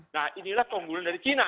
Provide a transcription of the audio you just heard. nah inilah keunggulan dari china